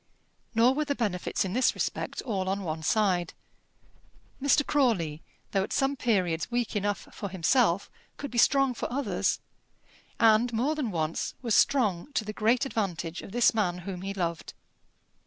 Nor were the benefits in this respect all on one side. Mr. Crawley, though at some periods weak enough for himself, could be strong for others; and, more than once, was strong to the great advantage of this man whom he loved.